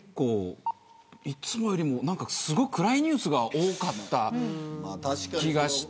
いつもよりもすごい暗いニュースが多かった気がして。